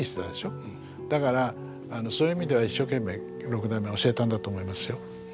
だからそういう意味では一生懸命六代目は教えたんだと思いますよ。